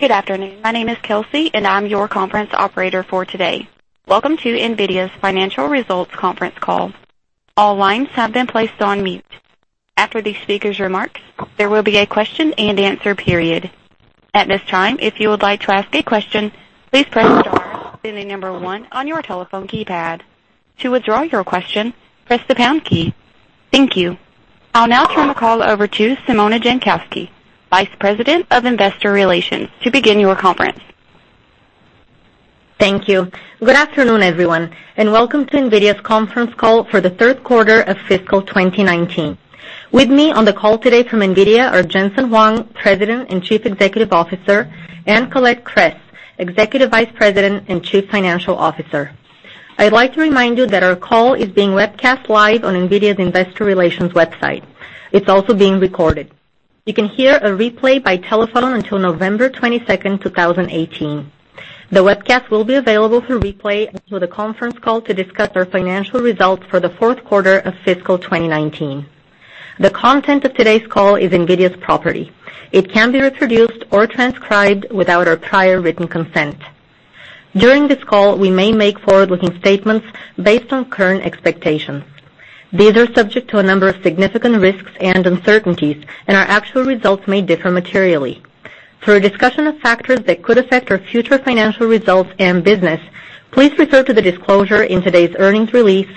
Good afternoon. My name is Kelsey, and I'm your conference operator for today. Welcome to NVIDIA's financial results conference call. All lines have been placed on mute. After the speakers' remarks, there will be a question and answer period. At this time, if you would like to ask a question, please press star, then the number one on your telephone keypad. To withdraw your question, press the pound key. Thank you. I'll now turn the call over to Simona Jankowski, Vice President of Investor Relations, to begin your conference. Thank you. Good afternoon, everyone, and welcome to NVIDIA's conference call for the third quarter of fiscal 2019. With me on the call today from NVIDIA are Jensen Huang, President and Chief Executive Officer, and Colette Kress, Executive Vice President and Chief Financial Officer. I'd like to remind you that our call is being webcast live on NVIDIA's investor relations website. It's also being recorded. You can hear a replay by telephone until November 22nd, 2018. The webcast will be available through replay and through the conference call to discuss our financial results for the fourth quarter of fiscal 2019. The content of today's call is NVIDIA's property. It can't be reproduced or transcribed without our prior written consent. During this call, we may make forward-looking statements based on current expectations. These are subject to a number of significant risks and uncertainties. Our actual results may differ materially. For a discussion of factors that could affect our future financial results and business, please refer to the disclosure in today's earnings release,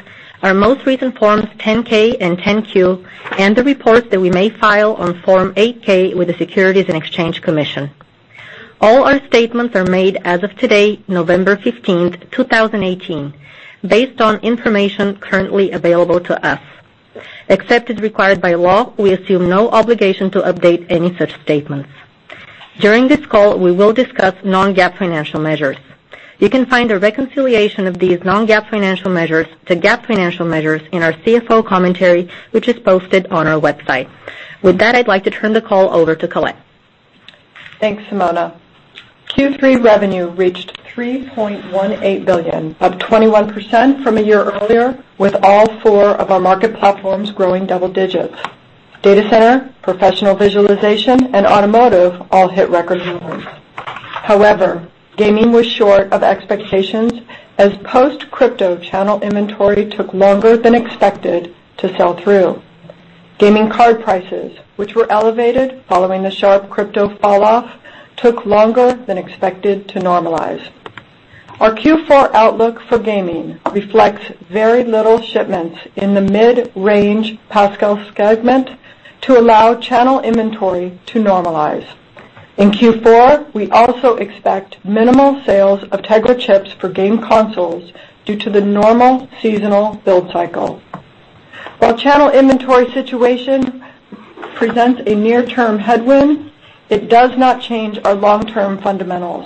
our most recent Forms 10-K and 10-Q, and the reports that we may file on Form 8-K with the Securities and Exchange Commission. All our statements are made as of today, November 15th, 2018, based on information currently available to us. Except as required by law, we assume no obligation to update any such statements. During this call, we will discuss non-GAAP financial measures. You can find a reconciliation of these non-GAAP financial measures to GAAP financial measures in our CFO commentary, which is posted on our website. With that, I'd like to turn the call over to Colette. Thanks, Simona. Q3 revenue reached $3.18 billion, up 21% from a year earlier, with all four of our market platforms growing double digits. Data center, Professional Visualization, and automotive all hit record levels. However, gaming was short of expectations as post-crypto channel inventory took longer than expected to sell through. Gaming card prices, which were elevated following the sharp crypto falloff, took longer than expected to normalize. Our Q4 outlook for gaming reflects very little shipments in the mid-range Pascal segment to allow channel inventory to normalize. In Q4, we also expect minimal sales of Tegra chips for game consoles due to the normal seasonal build cycle. While channel inventory situation presents a near-term headwind, it does not change our long-term fundamentals.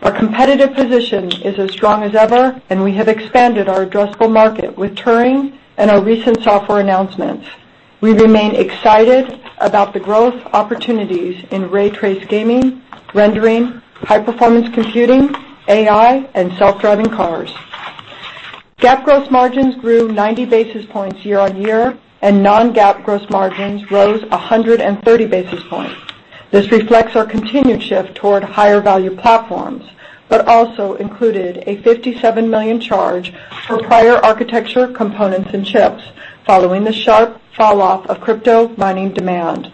Our competitive position is as strong as ever. We have expanded our addressable market with Turing and our recent software announcements. We remain excited about the growth opportunities in ray traced gaming, rendering, high-performance computing, AI, and self-driving cars. GAAP gross margins grew 90 basis points year-over-year, and non-GAAP gross margins rose 130 basis points. This reflects our continued shift toward higher-value platforms but also included a $57 million charge for prior architecture components and chips following the sharp falloff of crypto mining demand.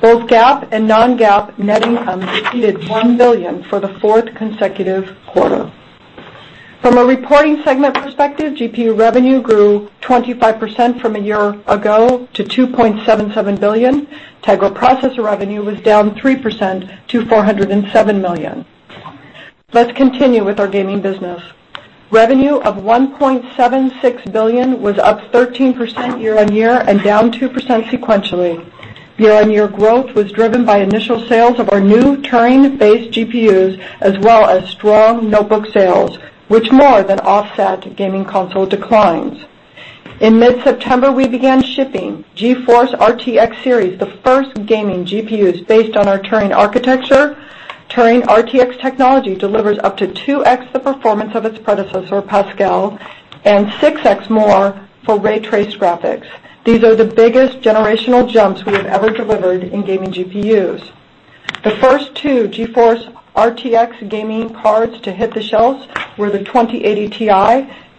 Both GAAP and non-GAAP net income exceeded $1 billion for the fourth consecutive quarter. From a reporting segment perspective, GPU revenue grew 25% from a year ago to $2.77 billion. Tegra processor revenue was down 3% to $407 million. Let's continue with our gaming business. Revenue of $1.76 billion was up 13% year-over-year and down 2% sequentially. Year-over-year growth was driven by initial sales of our new Turing-based GPUs, as well as strong notebook sales, which more than offset gaming console declines. In mid-September, we began shipping GeForce RTX series, the first gaming GPUs based on our Turing architecture. Turing RTX technology delivers up to 2x the performance of its predecessor, Pascal, and 6x more for ray traced graphics. These are the biggest generational jumps we have ever delivered in gaming GPUs. The first two GeForce RTX gaming cards to hit the shelves were the 2080 Ti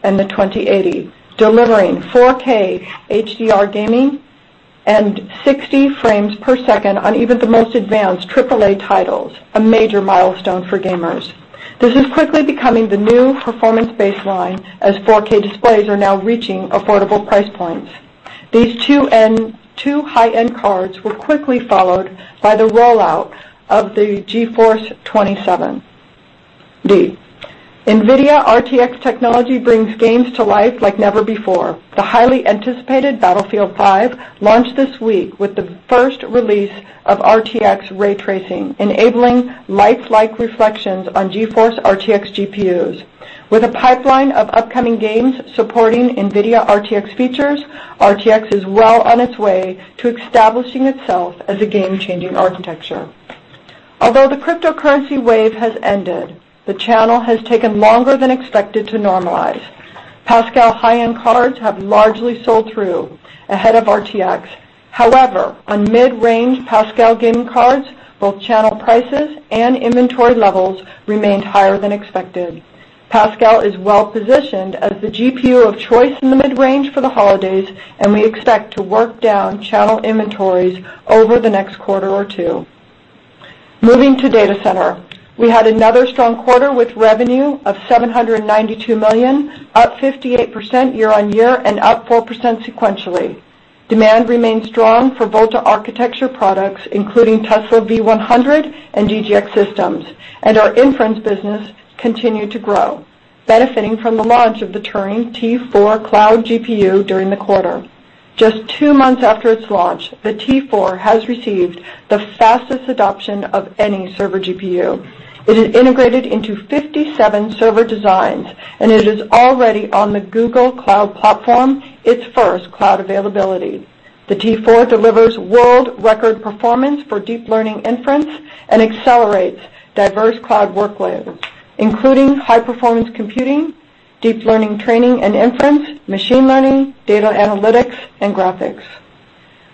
and the 2080, delivering 4K HDR gaming and 60 frames per second on even the most advanced AAA titles, a major milestone for gamers. This is quickly becoming the new performance baseline as 4K displays are now reaching affordable price points. These two high-end cards were quickly followed by the rollout of the GeForce 2070. NVIDIA RTX technology brings games to life like never before. The highly anticipated Battlefield V launched this week with the first release of RTX ray tracing, enabling lifelike reflections on GeForce RTX GPUs. With a pipeline of upcoming games supporting NVIDIA RTX features, RTX is well on its way to establishing itself as a game-changing architecture. Although the cryptocurrency wave has ended, the channel has taken longer than expected to normalize. Pascal high-end cards have largely sold through ahead of RTX. However, on mid-range Pascal gaming cards, both channel prices and inventory levels remained higher than expected. Pascal is well-positioned as the GPU of choice in the mid-range for the holidays, and we expect to work down channel inventories over the next quarter or two. Moving to data center. We had another strong quarter with revenue of $792 million, up 58% year-over-year and up 4% sequentially. Demand remains strong for Volta architecture products, including Tesla V100 and DGX systems, and our inference business continued to grow, benefiting from the launch of the Turing T4 cloud GPU during the quarter. Just two months after its launch, the T4 has received the fastest adoption of any server GPU. It is integrated into 57 server designs, and it is already on the Google Cloud platform, its first cloud availability. The T4 delivers world record performance for deep learning inference and accelerates diverse cloud workloads, including high-performance computing, deep learning training and inference, machine learning, data analytics, and graphics.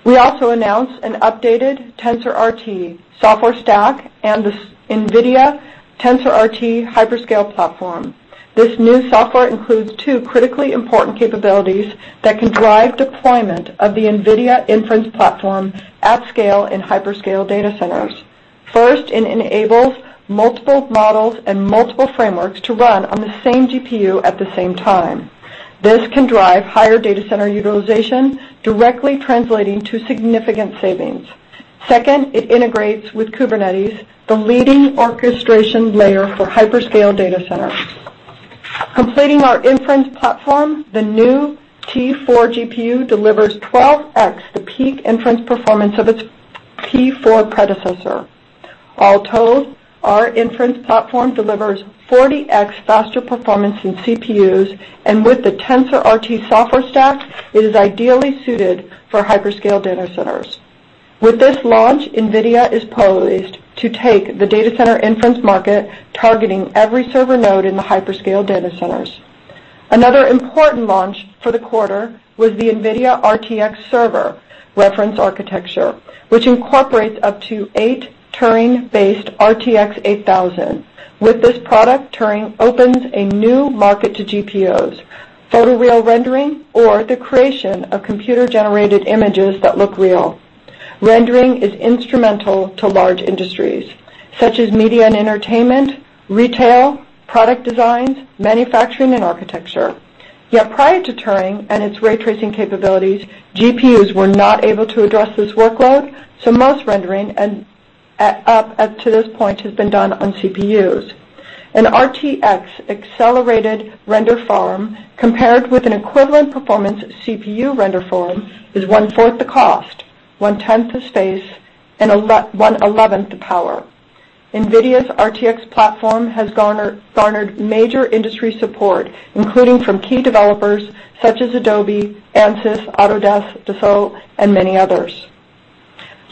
We also announced an updated TensorRT software stack and the NVIDIA TensorRT hyperscale platform. This new software includes two critically important capabilities that can drive deployment of the NVIDIA inference platform at scale in hyperscale data centers. First, it enables multiple models and multiple frameworks to run on the same GPU at the same time. This can drive higher data center utilization, directly translating to significant savings. Second, it integrates with Kubernetes, the leading orchestration layer for hyperscale data centers. Completing our inference platform, the new T4 GPU delivers 12x the peak inference performance of its T4 predecessor. All told, our inference platform delivers 40x faster performance than CPUs, and with the TensorRT software stack, it is ideally suited for hyperscale data centers. With this launch, NVIDIA is poised to take the data center inference market, targeting every server node in the hyperscale data centers. Another important launch for the quarter was the NVIDIA RTX Server reference architecture, which incorporates up to eight Turing-based RTX 8000. With this product, Turing opens a new market to GPUs, photoreal rendering, or the creation of computer-generated images that look real. Rendering is instrumental to large industries, such as media and entertainment, retail, product design, manufacturing, and architecture. Yet prior to Turing and its ray tracing capabilities, GPUs were not able to address this workload, so most rendering up to this point has been done on CPUs. An RTX accelerated render farm, compared with an equivalent performance CPU render farm, is one-fourth the cost, one-tenth the space, and one-eleventh the power. NVIDIA's RTX platform has garnered major industry support, including from key developers such as Adobe, Ansys, Autodesk, Dassault Systèmes, and many others.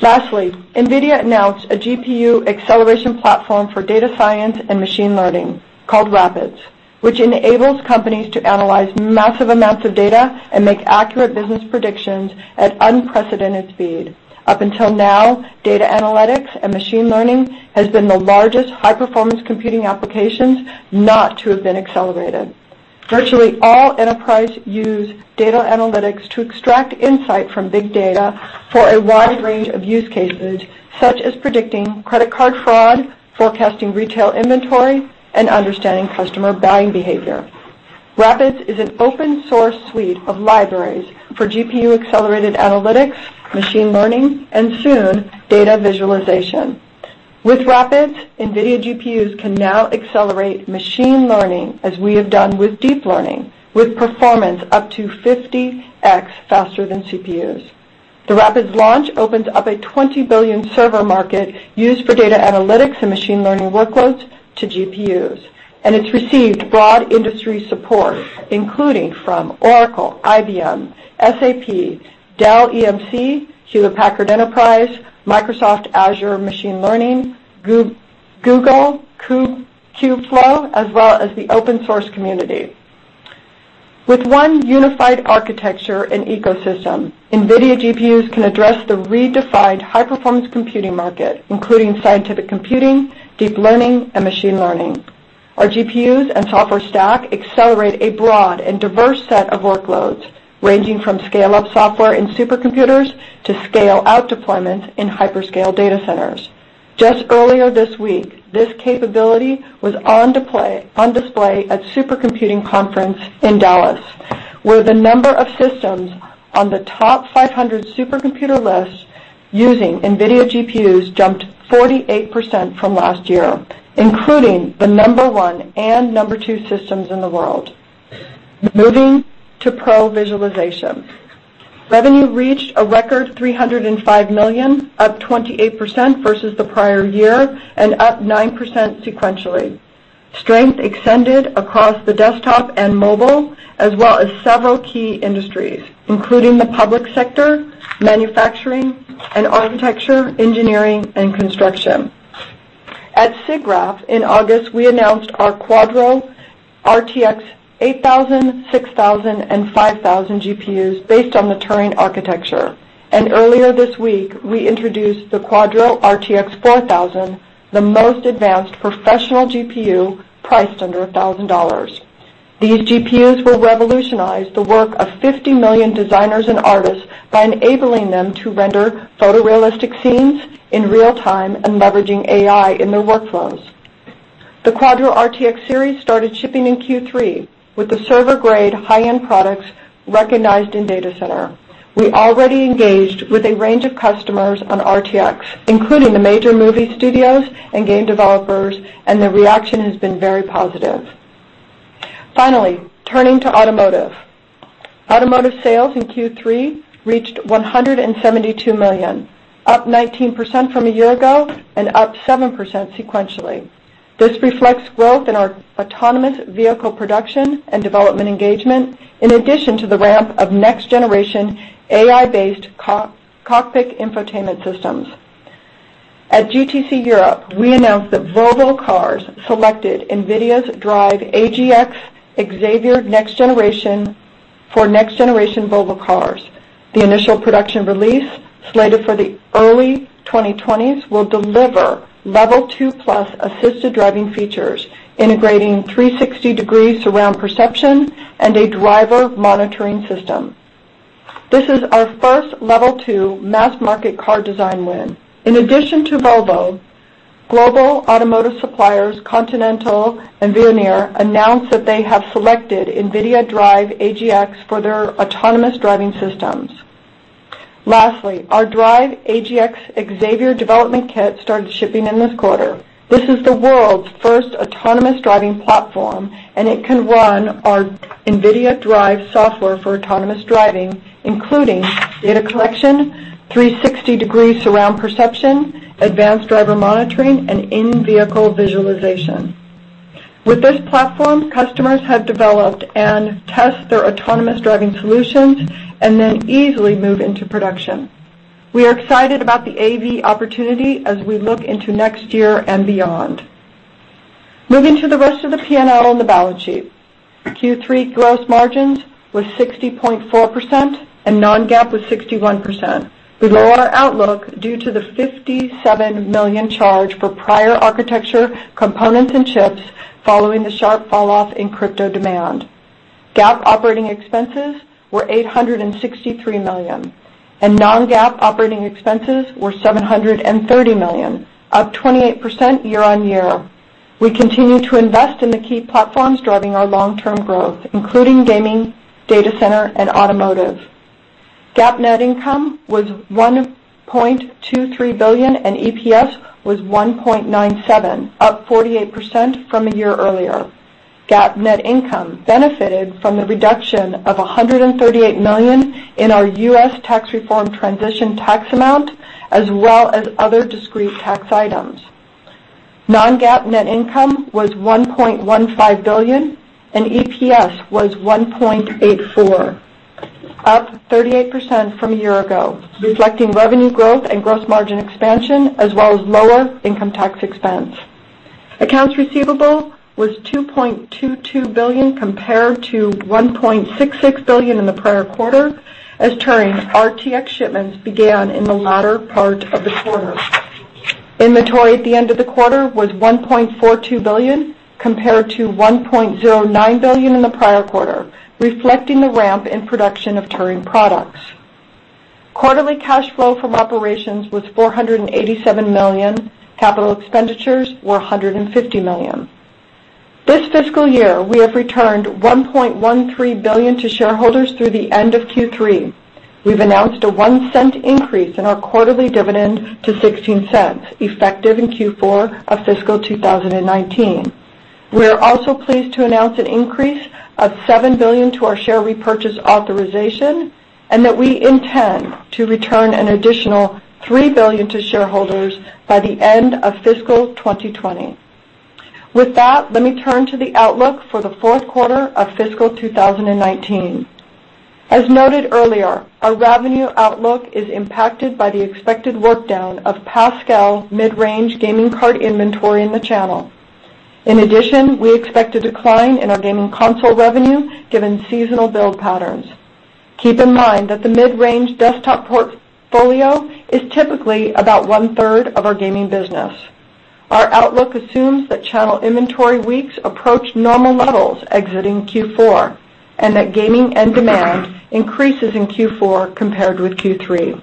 Lastly, NVIDIA announced a GPU acceleration platform for data science and machine learning called RAPIDS, which enables companies to analyze massive amounts of data and make accurate business predictions at unprecedented speed. Up until now, data analytics and machine learning has been the largest high-performance computing applications not to have been accelerated. Virtually all enterprise use data analytics to extract insight from big data for a wide range of use cases, such as predicting credit card fraud, forecasting retail inventory, and understanding customer buying behavior. RAPIDS is an open-source suite of libraries for GPU-accelerated analytics, machine learning, and soon, data visualization. With RAPIDS, NVIDIA GPUs can now accelerate machine learning as we have done with deep learning, with performance up to 50x faster than CPUs. The RAPIDS launch opens up a 20 billion server market used for data analytics and machine learning workloads to GPUs, and it's received broad industry support, including from Oracle, IBM, SAP, Dell EMC, Hewlett Packard Enterprise, Microsoft Azure Machine Learning, Google, Kubeflow, as well as the open-source community. With one unified architecture and ecosystem, NVIDIA GPUs can address the redefined high-performance computing market, including scientific computing, deep learning, and machine learning. Our GPUs and software stack accelerate a broad and diverse set of workloads, ranging from scale-up software in supercomputers to scale-out deployment in hyperscale data centers. Just earlier this week, this capability was on display at Supercomputing Conference in Dallas, where the number of systems on the TOP500 supercomputer list using NVIDIA GPUs jumped 48% from last year, including the number one and number two systems in the world. Moving to Professional Visualization. Revenue reached a record $305 million, up 28% versus the prior year and up 9% sequentially. Strength extended across the desktop and mobile, as well as several key industries, including the public sector, manufacturing, and architecture, engineering, and construction. At SIGGRAPH in August, we announced our Quadro RTX 8000, 6000, and 5000 GPUs based on the Turing architecture. Earlier this week, we introduced the Quadro RTX 4000, the most advanced professional GPU priced under $1,000. These GPUs will revolutionize the work of 50 million designers and artists by enabling them to render photorealistic scenes in real time and leveraging AI in their workflows. The Quadro RTX series started shipping in Q3 with the server-grade high-end products recognized in data center. We already engaged with a range of customers on RTX, including the major movie studios and game developers, and the reaction has been very positive. Finally, turning to automotive. Automotive sales in Q3 reached $172 million, up 19% from a year ago and up 7% sequentially. This reflects growth in our autonomous vehicle production and development engagement, in addition to the ramp of next-generation AI-based cockpit infotainment systems. At GTC Europe, we announced that Volvo Cars selected NVIDIA's DRIVE AGX Xavier for next-generation Volvo Cars. The initial production release, slated for the early 2020s, will deliver Level 2+ assisted driving features, integrating 360 degrees surround perception and a driver monitoring system. This is our first Level 2 mass market car design win. In addition to Volvo, global automotive suppliers Continental and Veoneer announced that they have selected NVIDIA DRIVE AGX for their autonomous driving systems. Lastly, our DRIVE AGX Xavier Developer Kit started shipping in this quarter. This is the world's first autonomous driving platform, and it can run our NVIDIA DRIVE software for autonomous driving, including data collection, 360-degree surround perception, advanced driver monitoring, and in-vehicle visualization. With this platform, customers have developed and test their autonomous driving solutions and then easily move into production. We are excited about the AV opportunity as we look into next year and beyond. Moving to the rest of the P&L and the balance sheet. Q3 gross margins was 60.4% and non-GAAP was 61%. We lower our outlook due to the $57 million charge for prior architecture components and chips following the sharp fall off in crypto demand. GAAP operating expenses were $863 million, and non-GAAP operating expenses were $730 million, up 28% year-over-year. We continue to invest in the key platforms driving our long-term growth, including gaming, data center, and automotive. GAAP net income was $1.23 billion, and EPS was $1.97, up 48% from a year earlier. GAAP net income benefited from the reduction of $138 million in our U.S. tax reform transition tax amount, as well as other discrete tax items. Non-GAAP net income was $1.15 billion, and EPS was $1.84, up 38% from a year ago, reflecting revenue growth and gross margin expansion, as well as lower income tax expense. Accounts receivable was $2.22 billion compared to $1.66 billion in the prior quarter as Turing RTX shipments began in the latter part of the quarter. Inventory at the end of the quarter was $1.42 billion, compared to $1.09 billion in the prior quarter, reflecting the ramp in production of Turing products. Quarterly cash flow from operations was $487 million. Capital expenditures were $150 million. This fiscal year, we have returned $1.13 billion to shareholders through the end of Q3. We've announced a $0.01 increase in our quarterly dividend to $0.16, effective in Q4 of fiscal 2019. We are also pleased to announce an increase of $7 billion to our share repurchase authorization, and that we intend to return an additional $3 billion to shareholders by the end of fiscal 2020. With that, let me turn to the outlook for the fourth quarter of fiscal 2019. As noted earlier, our revenue outlook is impacted by the expected work down of Pascal mid-range gaming card inventory in the channel. In addition, we expect a decline in our gaming console revenue given seasonal build patterns. Keep in mind that the mid-range desktop portfolio is typically about one-third of our gaming business. Our outlook assumes that channel inventory weeks approach normal levels exiting Q4, and that gaming end demand increases in Q4 compared with Q3.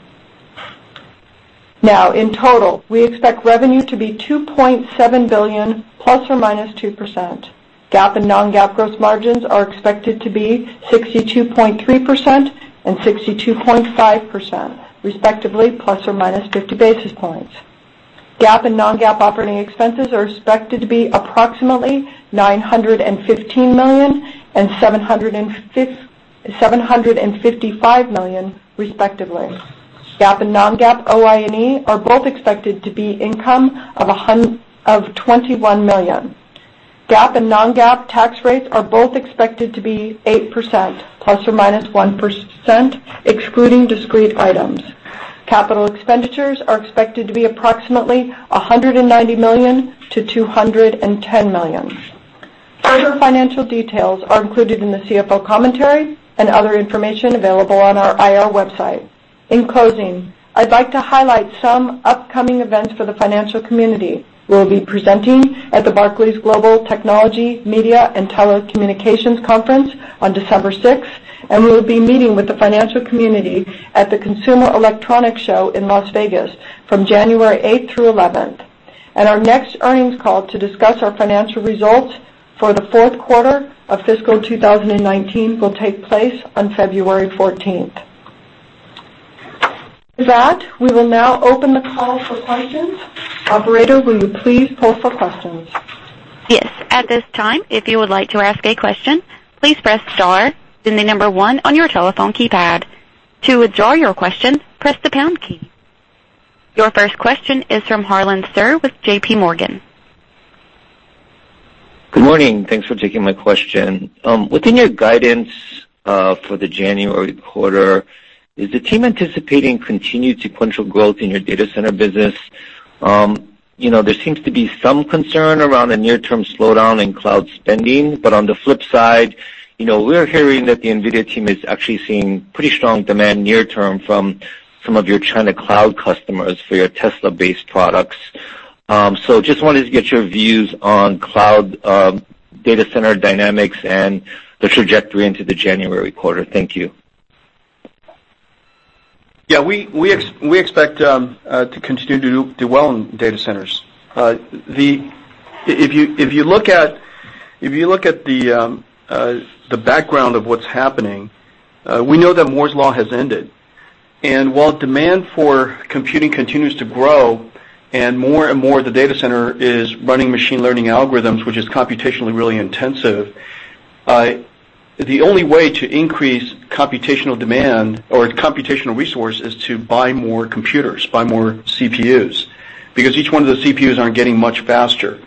In total, we expect revenue to be $2.7 billion ±2%. GAAP and non-GAAP gross margins are expected to be 62.3% and 62.5%, respectively, ±50 basis points. GAAP and non-GAAP operating expenses are expected to be approximately $915 million and $755 million, respectively. GAAP and non-GAAP OI&E are both expected to be income of $21 million. GAAP and non-GAAP tax rates are both expected to be 8%, ±1%, excluding discrete items. Capital expenditures are expected to be approximately $190 million-$210 million. Further financial details are included in the CFO commentary and other information available on our IR website. In closing, I'd like to highlight some upcoming events for the financial community. We'll be presenting at the Barclays Global Technology, Media and Telecommunications Conference on December 6th, and we'll be meeting with the financial community at the Consumer Electronics Show in Las Vegas from January 8th through 11th. Our next earnings call to discuss our financial results for the fourth quarter of fiscal 2019 will take place on February 14th. With that, we will now open the call for questions. Operator, will you please pull for questions? Yes. At this time, if you would like to ask a question, please press star, then the number one on your telephone keypad. To withdraw your question, press the pound key. Your first question is from Harlan Sur with JPMorgan. Good morning. Thanks for taking my question. Within your guidance for the January quarter, is the team anticipating continued sequential growth in your data center business? There seems to be some concern around a near-term slowdown in cloud spending. On the flip side, we're hearing that the NVIDIA team is actually seeing pretty strong demand near term from some of your China cloud customers for your Tesla-based products. Just wanted to get your views on cloud data center dynamics and the trajectory into the January quarter. Thank you. Yeah. We expect to continue to do well in data centers. If you look at the background of what's happening, we know that Moore's Law has ended. While demand for computing continues to grow, and more and more the data center is running machine learning algorithms, which is computationally really intensive, the only way to increase computational demand or computational resource is to buy more computers, buy more CPUs, because each one of those CPUs aren't getting much faster.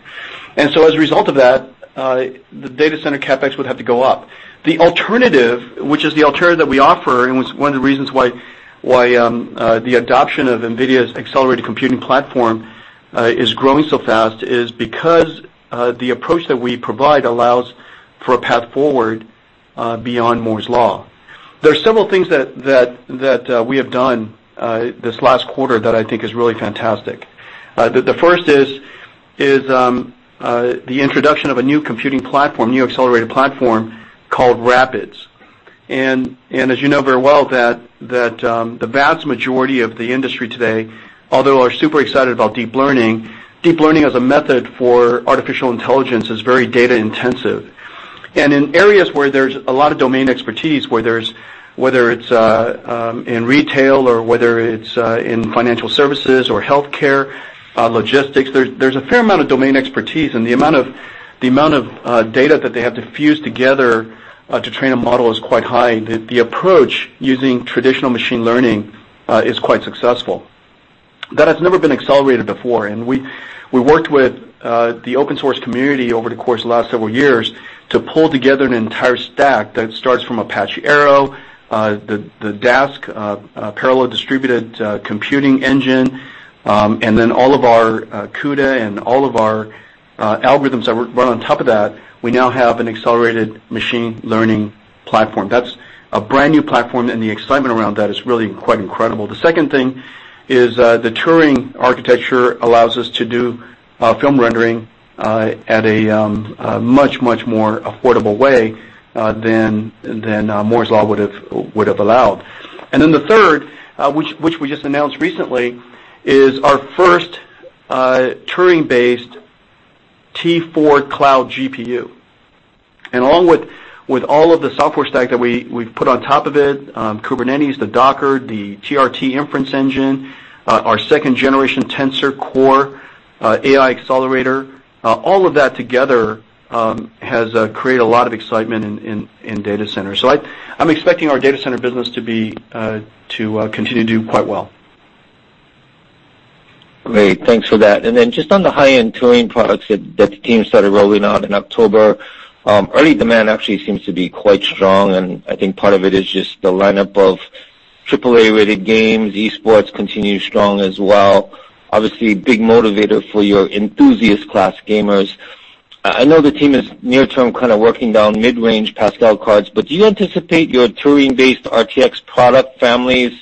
As a result of that, the data center CapEx would have to go up. The alternative, which is the alternative that we offer, was one of the reasons why the adoption of NVIDIA's accelerated computing platform is growing so fast, is because the approach that we provide allows for a path forward beyond Moore's Law. There are several things that we have done this last quarter that I think is really fantastic. The first is the introduction of a new computing platform, new accelerated platform, called RAPIDS. As you know very well, that the vast majority of the industry today, although are super excited about deep learning, deep learning as a method for artificial intelligence is very data intensive. In areas where there's a lot of domain expertise, whether it's in retail or whether it's in financial services or healthcare, logistics, there's a fair amount of domain expertise, and the amount of data that they have to fuse together to train a model is quite high. The approach using traditional machine learning is quite successful. That has never been accelerated before. We worked with the open source community over the course of the last several years to pull together an entire stack that starts from Apache Arrow, the Dask parallel distributed computing engine, and then all of our CUDA and all of our algorithms that run on top of that. We now have an accelerated machine learning platform. That's a brand new platform. The excitement around that is really quite incredible. The second thing is the Turing architecture allows us to do film rendering at a much, much more affordable way than Moore's Law would have allowed. The third, which we just announced recently, is our first Turing-based T4 cloud GPU. Along with all of the software stack that we've put on top of it, Kubernetes, the Docker, the TensorRT inference engine, our second generation Tensor Core AI accelerator, all of that together has created a lot of excitement in data centers. I'm expecting our data center business to continue to do quite well. Great. Thanks for that. Just on the high-end Turing products that the team started rolling out in October, early demand actually seems to be quite strong, and I think part of it is just the lineup of AAA-rated games. Esports continue strong as well. Obviously a big motivator for your enthusiast class gamers. I know the team is near term kind of working down mid-range Pascal cards, do you anticipate your Turing-based RTX product families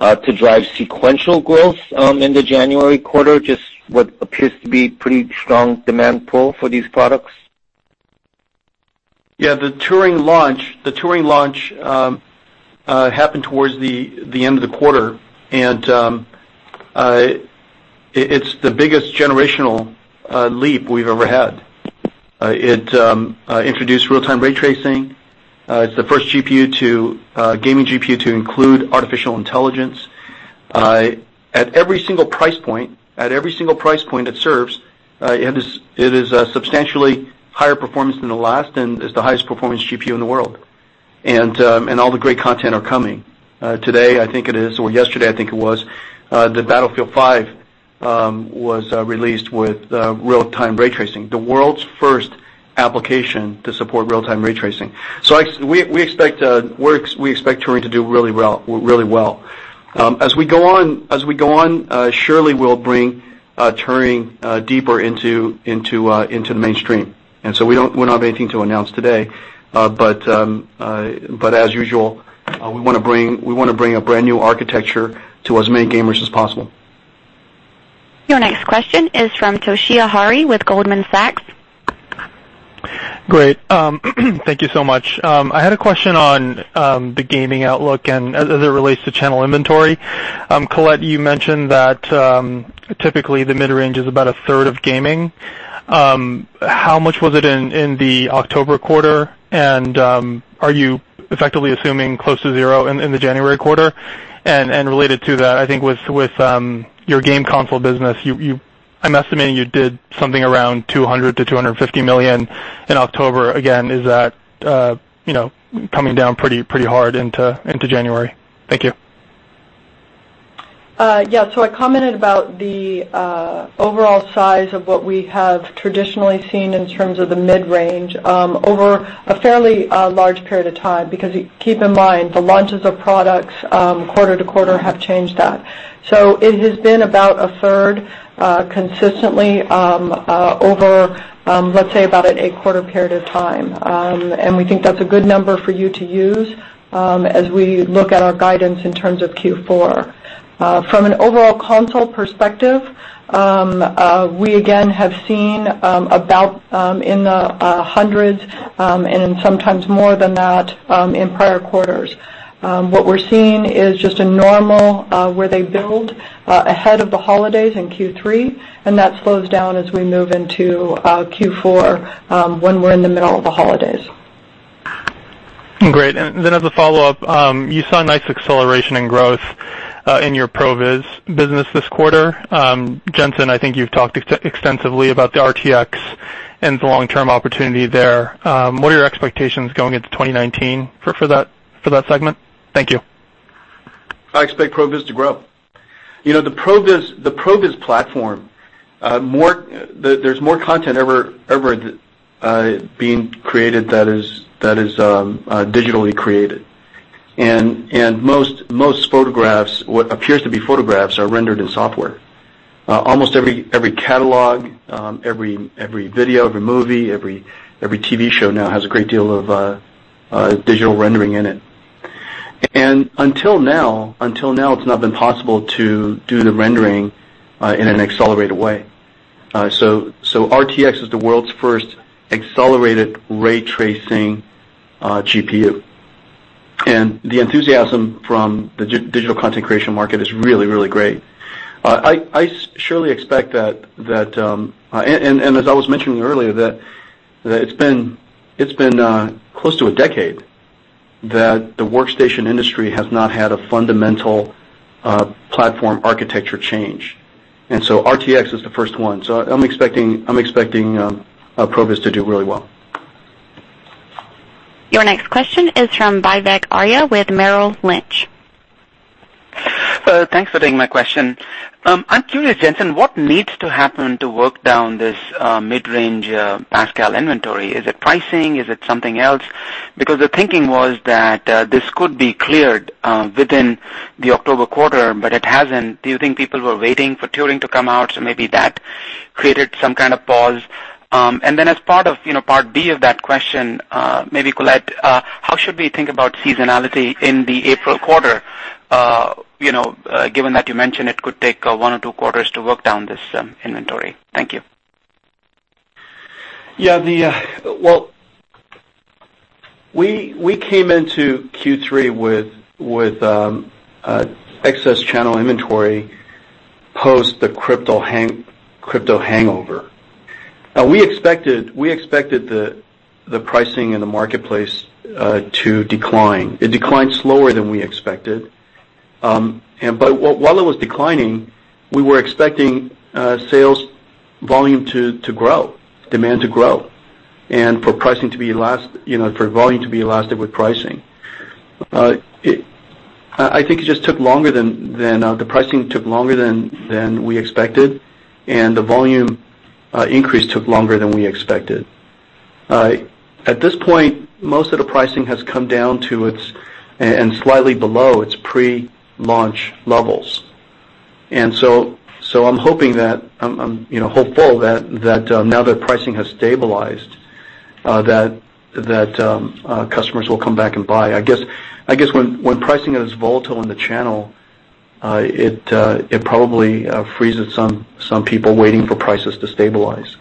to drive sequential growth in the January quarter? Just what appears to be pretty strong demand pull for these products. Yeah. The Turing launch happened towards the end of the quarter, it's the biggest generational leap we've ever had. It introduced real-time ray tracing. It's the first gaming GPU to include artificial intelligence. At every single price point it serves, it is a substantially higher performance than the last and is the highest performance GPU in the world. All the great content are coming. Today, I think it is, or yesterday, I think it was, the Battlefield V was released with real-time ray tracing, the world's first application to support real-time ray tracing. We expect Turing to do really well. As we go on, surely we'll bring Turing deeper into the mainstream. We don't have anything to announce today, but as usual, we want to bring a brand new architecture to as many gamers as possible. Your next question is from Toshiya Hari with Goldman Sachs. Great. Thank you so much. I had a question on the gaming outlook and as it relates to channel inventory. Colette, you mentioned that typically the mid-range is about a third of gaming. How much was it in the October quarter? Are you effectively assuming close to zero in the January quarter? Related to that, I think with your game console business, I'm estimating you did something around $200 million-$250 million in October. Again, is that coming down pretty hard into January? Thank you. Yeah. I commented about the overall size of what we have traditionally seen in terms of the mid-range, over a fairly large period of time, because keep in mind, the launches of products quarter-to-quarter have changed that. It has been about a third consistently over, let's say, about an eight-quarter period of time. We think that's a good number for you to use as we look at our guidance in terms of Q4. From an overall console perspective, we again have seen about in the hundreds, and sometimes more than that, in prior quarters. What we're seeing is just a normal, where they build ahead of the holidays in Q3, and that slows down as we move into Q4, when we're in the middle of the holidays. Great. As a follow-up, you saw a nice acceleration in growth in your ProViz business this quarter. Jensen, I think you've talked extensively about the RTX and the long-term opportunity there. What are your expectations going into 2019 for that segment? Thank you. I expect ProViz to grow. The ProViz platform, there's more content ever being created that is digitally created. Most photographs, what appears to be photographs, are rendered in software. Almost every catalog, every video, every movie, every TV show now has a great deal of digital rendering in it. Until now, it's not been possible to do the rendering in an accelerated way. RTX is the world's first accelerated ray tracing GPU, and the enthusiasm from the digital content creation market is really, really great. I surely expect that, and as I was mentioning earlier, that it's been close to a decade that the workstation industry has not had a fundamental platform architecture change. RTX is the first one, I'm expecting Pro Viz to do really well. Your next question is from Vivek Arya with Merrill Lynch. Thanks for taking my question. I'm curious, Jensen, what needs to happen to work down this mid-range Pascal inventory? Is it pricing? Is it something else? Because the thinking was that this could be cleared within the October quarter, but it hasn't. Do you think people were waiting for Turing to come out, maybe that created some kind of pause? As part B of that question, maybe Colette, how should we think about seasonality in the April quarter, given that you mentioned it could take one or two quarters to work down this inventory? Thank you. Well, we came into Q3 with excess channel inventory post the crypto hangover. We expected the pricing in the marketplace to decline. It declined slower than we expected. While it was declining, we were expecting sales volume to grow, demand to grow, and for volume to be elastic with pricing. I think the pricing took longer than we expected, and the volume increase took longer than we expected. At this point, most of the pricing has come down to and slightly below its pre-launch levels. I'm hopeful that now that pricing has stabilized, that customers will come back and buy. I guess when pricing is volatile in the channel, it probably freezes some people waiting for prices to stabilize,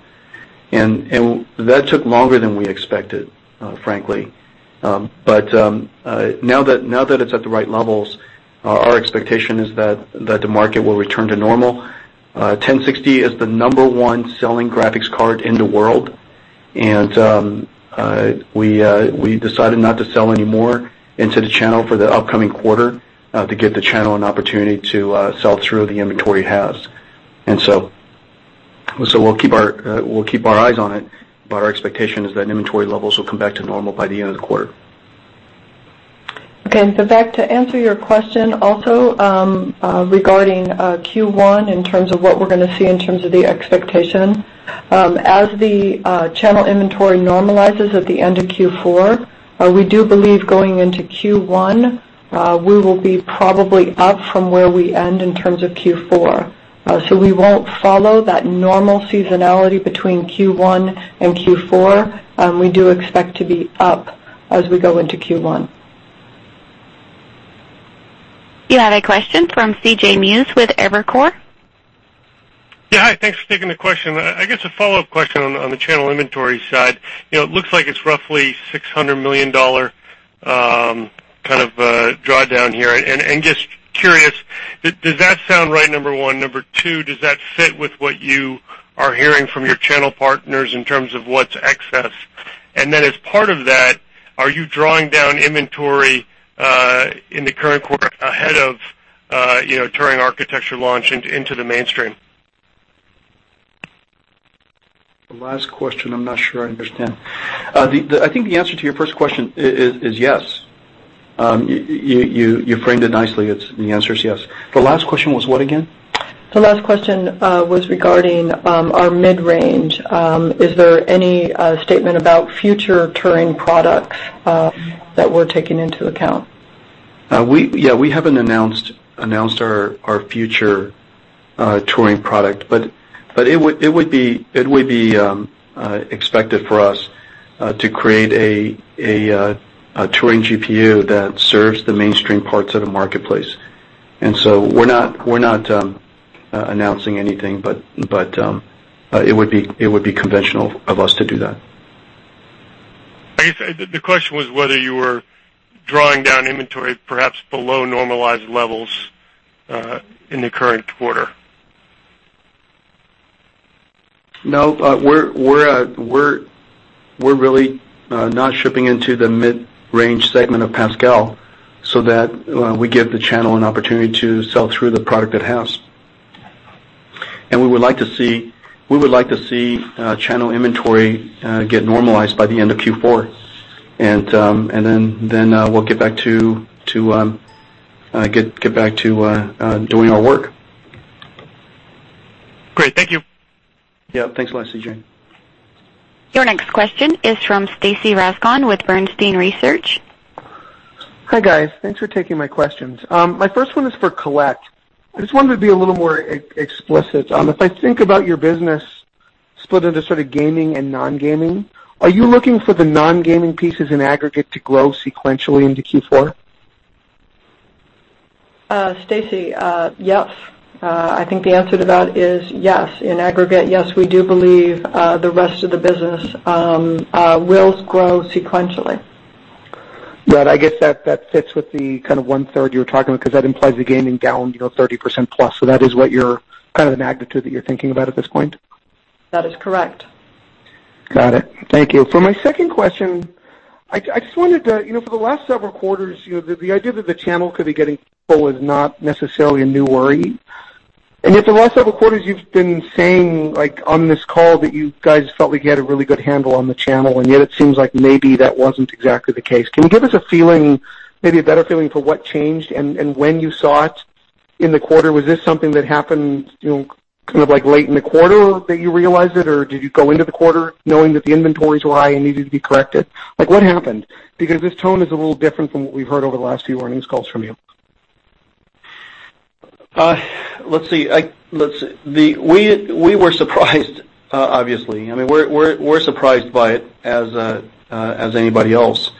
and that took longer than we expected, frankly. Now that it's at the right levels, our expectation is that the market will return to normal. 1060 is the number one selling graphics card in the world. We decided not to sell any more into the channel for the upcoming quarter to give the channel an opportunity to sell through the inventory it has. We'll keep our eyes on it, but our expectation is that inventory levels will come back to normal by the end of the quarter. Okay. Back to answer your question also regarding Q1, in terms of what we're going to see in terms of the expectation. As the channel inventory normalizes at the end of Q4, we do believe going into Q1, we will be probably up from where we end in terms of Q4. We won't follow that normal seasonality between Q1 and Q4. We do expect to be up as we go into Q1. You have a question from CJ Muse with Evercore. Yeah. Hi, thanks for taking the question. I guess a follow-up question on the channel inventory side. It looks like it's roughly $600 million kind of draw down here. Just curious, does that sound right, number one? Number two, does that fit with what you are hearing from your channel partners in terms of what's excess? As part of that, are you drawing down inventory in the current quarter ahead of Turing architecture launch into the mainstream? The last question, I'm not sure I understand. I think the answer to your first question is yes. You framed it nicely. The answer is yes. The last question was what again? The last question was regarding our mid-range. Is there any statement about future Turing products that we're taking into account? Yeah, we haven't announced our future Turing product, it would be expected for us to create a Turing GPU that serves the mainstream parts of the marketplace. We're not announcing anything, but it would be conventional of us to do that. I guess the question was whether you were drawing down inventory, perhaps below normalized levels in the current quarter. No, we're really not shipping into the mid-range segment of Pascal so that we give the channel an opportunity to sell through the product it has. We would like to see channel inventory get normalized by the end of Q4. Then we'll get back to doing our work. Great. Thank you. Yeah. Thanks a lot, CJ. Your next question is from Stacy Rasgon with Bernstein Research. Hi, guys. Thanks for taking my questions. My first one is for Colette. I just wanted to be a little more explicit. If I think about your business split into sort of gaming and non-gaming, are you looking for the non-gaming pieces in aggregate to grow sequentially into Q4? Stacy, yes. I think the answer to that is yes. In aggregate, yes, we do believe the rest of the business will grow sequentially. Right. I guess that fits with the kind of one-third you were talking about, because that implies the gaming down 30%+. That is what you're kind of the magnitude that you're thinking about at this point? That is correct. Got it. Thank you. For my second question, for the last several quarters, the idea that the channel could be getting full is not necessarily a new worry. The last several quarters you've been saying on this call that you guys felt like you had a really good handle on the channel, it seems like maybe that wasn't exactly the case. Can you give us a feeling, maybe a better feeling for what changed and when you saw it in the quarter? Was this something that happened kind of late in the quarter that you realized it, or did you go into the quarter knowing that the inventories were high and needed to be corrected? What happened? This tone is a little different from what we've heard over the last few earnings calls from you. Let's see. We were surprised, obviously. We're surprised by it as anybody else.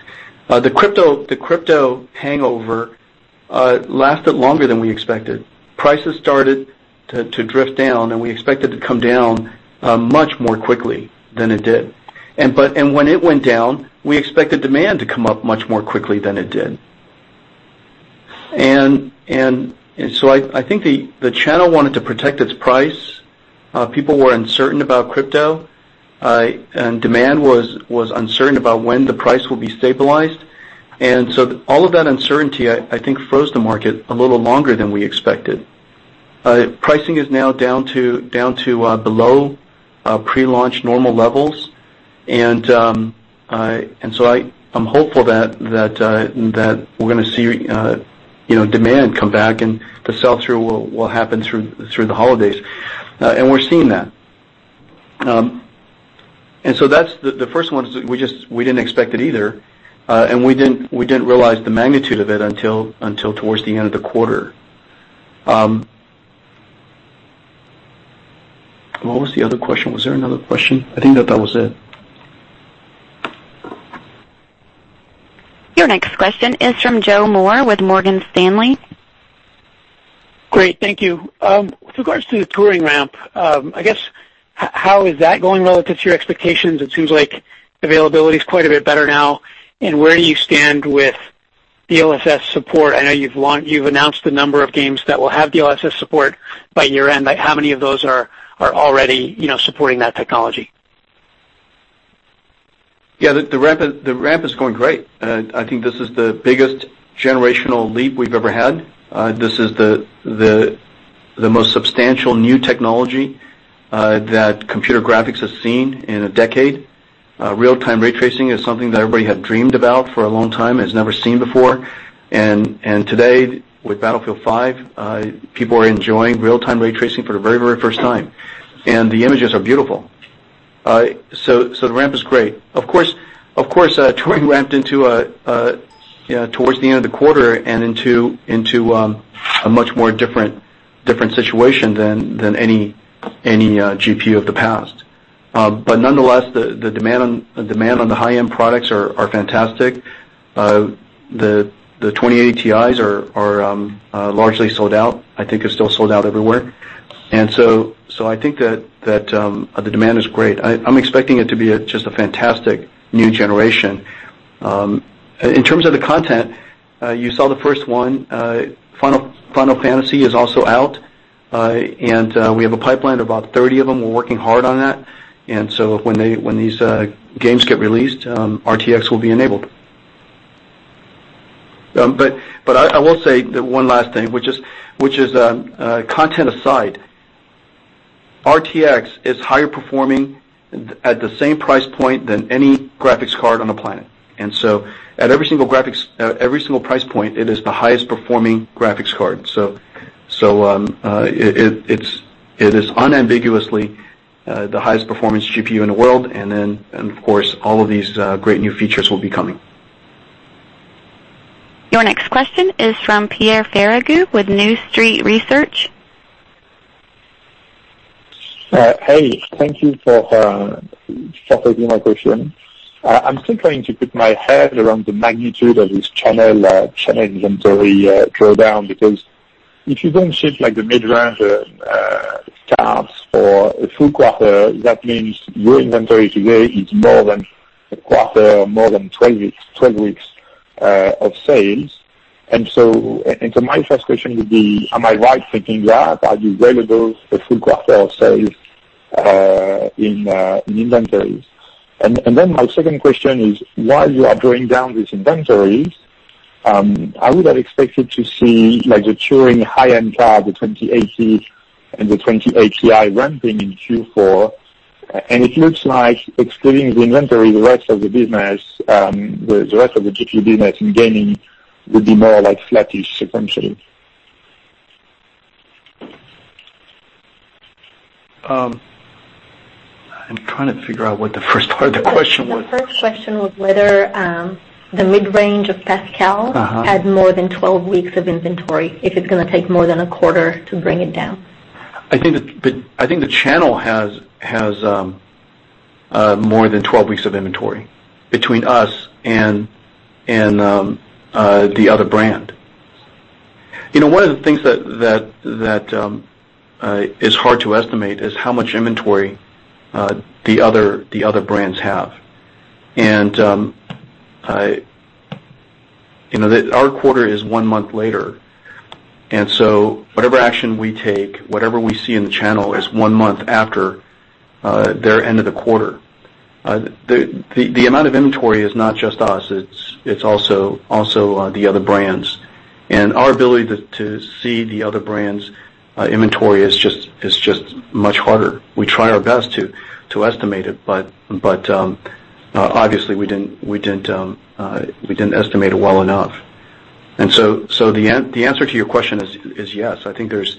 The crypto hangover lasted longer than we expected. Prices started to drift down, we expected to come down much more quickly than it did. When it went down, we expected demand to come up much more quickly than it did. I think the channel wanted to protect its price. People were uncertain about crypto, demand was uncertain about when the price will be stabilized. All of that uncertainty, I think, froze the market a little longer than we expected. Pricing is now down to below pre-launch normal levels. I'm hopeful that we're going to see demand come back and the sell-through will happen through the holidays. We're seeing that. That's the first one is we didn't expect it either. We didn't realize the magnitude of it until towards the end of the quarter. What was the other question? Was there another question? I think that that was it. Your next question is from Joe Moore with Morgan Stanley. Great. Thank you. With regards to the Turing ramp, I guess how is that going relative to your expectations? It seems like availability is quite a bit better now. Where do you stand with DLSS support? I know you've announced the number of games that will have DLSS support by year-end, how many of those are already supporting that technology? Yeah. The ramp is going great. I think this is the biggest generational leap we've ever had. This is the most substantial new technology that computer graphics has seen in a decade. Real-time ray tracing is something that everybody had dreamed about for a long time, has never seen before. Today, with Battlefield V, people are enjoying real-time ray tracing for the very first time, and the images are beautiful. The ramp is great. Of course, Turing ramped into a towards the end of the quarter and into a much more different situation than any GPU of the past. Nonetheless, the demand on the high-end products are fantastic. The 2080 Tis are largely sold out, I think are still sold out everywhere. I think that the demand is great. I'm expecting it to be just a fantastic new generation. In terms of the content, you saw the first one, Final Fantasy is also out. We have a pipeline of about 30 of them. We're working hard on that. When these games get released, RTX will be enabled. I will say one last thing, which is, content aside, RTX is higher performing at the same price point than any graphics card on the planet. At every single price point, it is the highest performing graphics card. It is unambiguously the highest performance GPU in the world. Of course, all of these great new features will be coming. Your next question is from Pierre Ferragu with New Street Research. Hey, thank you for taking my question. I'm still trying to get my head around the magnitude of this channel inventory drawdown, because if you don't ship like the mid-range SKUs for a full quarter, that means your inventory today is more than a quarter or more than 12 weeks of sales. My first question would be, am I right thinking that? Are you ready to go a full quarter of sales in inventories? My second question is, while you are drawing down these inventories, I would have expected to see the Turing high-end SKU, the 2080 and the 2080 Ti ramping in Q4. It looks like excluding the inventory, the rest of the business, the rest of the GPU business in gaming would be more like flattish sequentially. I'm trying to figure out what the first part of the question was. The first question was whether the mid-range of Pascal- -had more than 12 weeks of inventory, if it's going to take more than a quarter to bring it down. I think the channel has more than 12 weeks of inventory between us and the other brand. One of the things that is hard to estimate is how much inventory the other brands have. Our quarter is one month later, whatever action we take, whatever we see in the channel is one month after their end of the quarter. The amount of inventory is not just us, it's also the other brands. Our ability to see the other brands' inventory is just much harder. We try our best to estimate it, but obviously, we didn't estimate it well enough. The answer to your question is yes. I think there's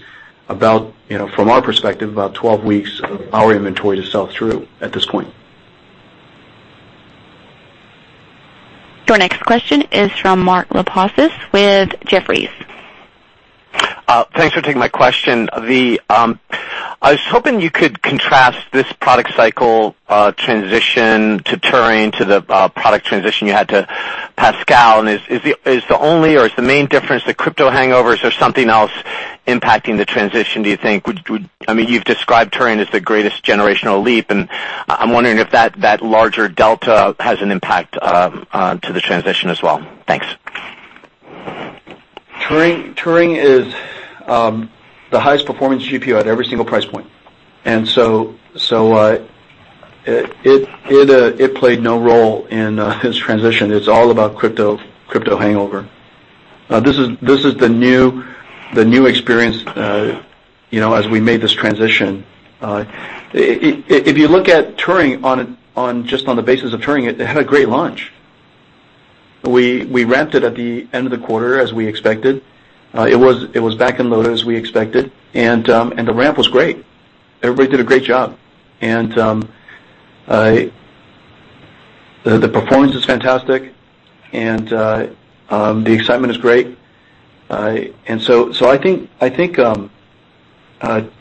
about, from our perspective, about 12 weeks of our inventory to sell through at this point. Your next question is from Mark Lipacis with Jefferies. Thanks for taking my question. I was hoping you could contrast this product cycle transition to Turing to the product transition you had to Pascal, is the only or is the main difference the crypto hangover? Is there something else impacting the transition, do you think? You've described Turing as the greatest generational leap, I'm wondering if that larger delta has an impact to the transition as well. Thanks. Turing is the highest performance GPU at every single price point. It played no role in this transition. It's all about crypto hangover. This is the new experience as we made this transition. If you look at Turing, just on the basis of Turing, it had a great launch. We ramped it at the end of the quarter as we expected. It was back in loader as we expected, the ramp was great. Everybody did a great job. The performance is fantastic, the excitement is great. I think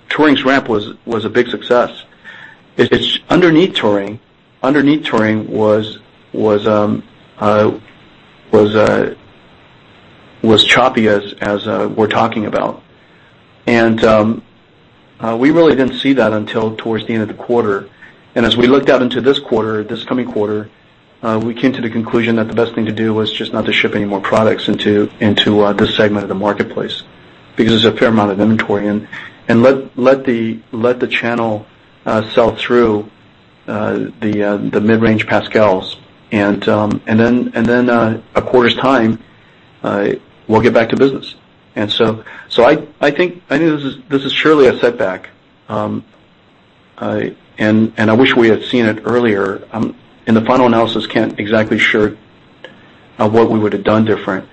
Turing's ramp was a big success. It's underneath Turing was choppy as we're talking about. We really didn't see that until towards the end of the quarter. As we looked out into this coming quarter, we came to the conclusion that the best thing to do was just not to ship any more products into this segment of the marketplace, because there's a fair amount of inventory in. Let the channel sell through the mid-range Pascals, then in a quarter's time, we'll get back to business. I think this is surely a setback. I wish we had seen it earlier. In the final analysis, can't exactly sure of what we would've done different.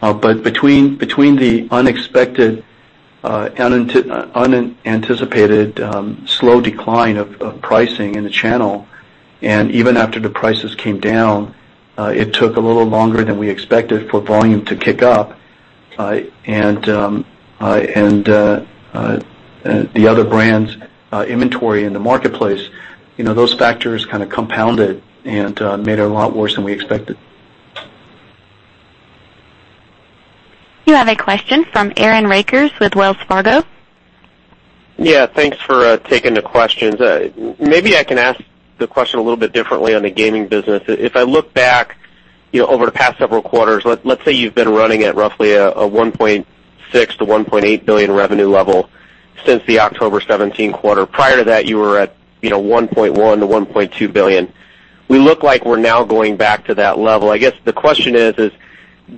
Between the unexpected, unanticipated, slow decline of pricing in the channel, even after the prices came down, it took a little longer than we expected for volume to kick up. The other brands' inventory in the marketplace, those factors kind of compounded and made it a lot worse than we expected. You have a question from Aaron Rakers with Wells Fargo. Yeah. Thanks for taking the questions. Maybe I can ask the question a little bit differently on the gaming business. If I look back over the past several quarters, let's say you've been running at roughly a $1.6 billion-$1.8 billion revenue level since the October 2017 quarter. Prior to that, you were at $1.1 billion-$1.2 billion. We look like we're now going back to that level. I guess the question is,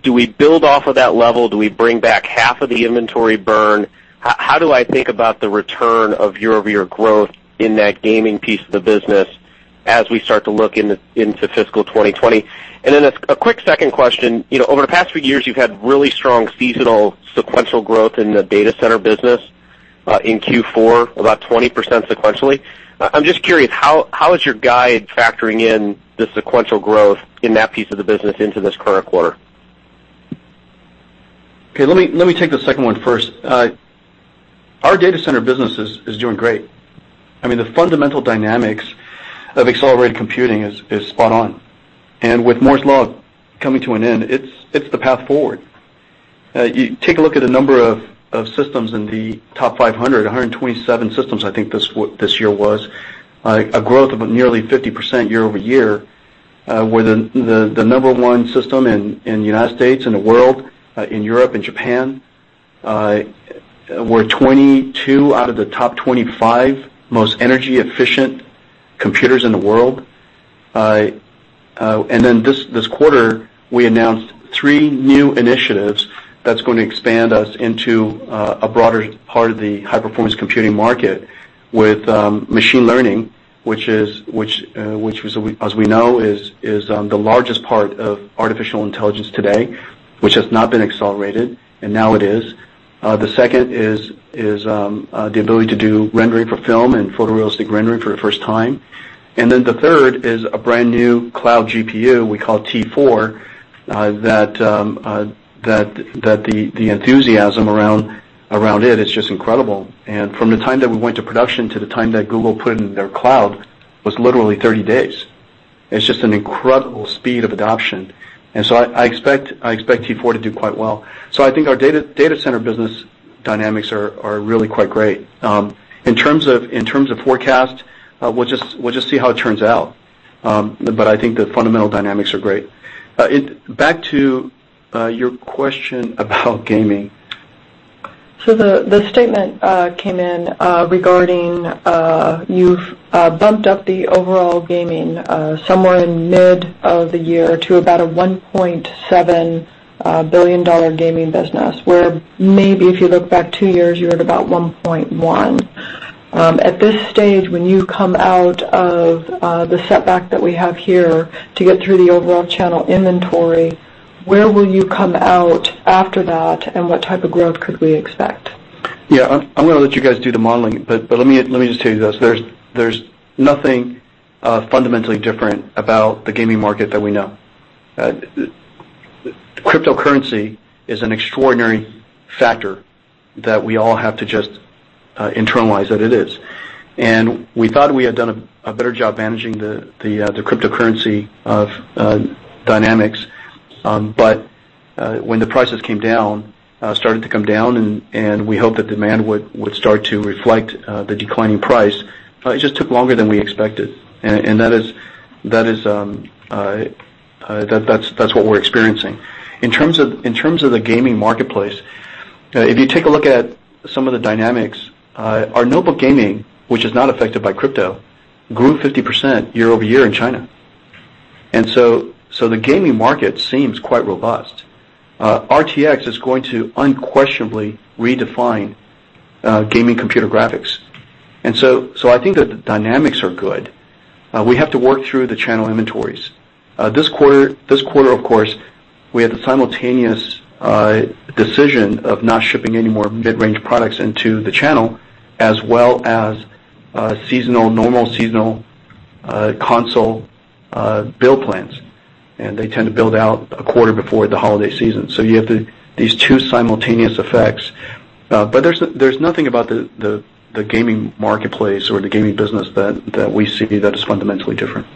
do we build off of that level? Do we bring back half of the inventory burn? How do I think about the return of year-over-year growth in that gaming piece of the business as we start to look into FY 2020? Then a quick second question. Over the past few years, you've had really strong seasonal sequential growth in the data center business, in Q4, about 20% sequentially. I'm just curious, how is your guide factoring in the sequential growth in that piece of the business into this current quarter? Okay. Let me take the second one first. Our data center business is doing great. The fundamental dynamics of accelerated computing is spot on. With Moore's Law coming to an end, it's the path forward. You take a look at a number of systems in the TOP500, 127 systems, I think this year was. A growth of nearly 50% year-over-year, we're the number one system in the U.S., in the world, in Europe and Japan. We're 22 out of the top 25 most energy-efficient computers in the world. This quarter, we announced three new initiatives that's going to expand us into a broader part of the high-performance computing market with machine learning, which as we know, is the largest part of artificial intelligence today, which has not been accelerated, and now it is. The second is the ability to do rendering for film and photorealistic rendering for the first time. The third is a brand-new cloud GPU we call T4, that the enthusiasm around it is just incredible. From the time that we went to production to the time that Google put it in their cloud was literally 30 days. It's just an incredible speed of adoption. I expect T4 to do quite well. I think our data center business dynamics are really quite great. In terms of forecast, we'll just see how it turns out. I think the fundamental dynamics are great. Back to your question about gaming. The statement came in regarding you've bumped up the overall gaming somewhere in mid of the year to about a $1.7 billion gaming business, where maybe if you look back two years, you were at about 1.1. At this stage, when you come out of the setback that we have here to get through the overall channel inventory, where will you come out after that, and what type of growth could we expect? Yeah. I'm going to let you guys do the modeling, but let me just tell you this. There's nothing fundamentally different about the gaming market that we know. Cryptocurrency is an extraordinary factor that we all have to just internalize that it is. We thought we had done a better job managing the cryptocurrency dynamics, but when the prices came down, started to come down, and we hoped that demand would start to reflect the declining price, it just took longer than we expected. That's what we're experiencing. In terms of the gaming marketplace, if you take a look at some of the dynamics, our notebook gaming, which is not affected by crypto, grew 50% year-over-year in China. The gaming market seems quite robust. RTX is going to unquestionably redefine gaming computer graphics. I think that the dynamics are good. We have to work through the channel inventories. This quarter, of course, we had the simultaneous decision of not shipping any more mid-range products into the channel, as well as normal seasonal console build plans, and they tend to build out a quarter before the holiday season. You have these two simultaneous effects. There's nothing about the gaming marketplace or the gaming business that we see that is fundamentally different.